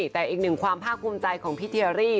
แต่อีกหนึ่งความภาคภูมิใจของพี่เทียรี่